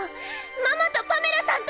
ママとパメラさんとは違う！！